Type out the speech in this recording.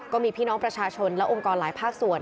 ก็มีพี่น้องประชาชนและองค์กรหลายภาคส่วน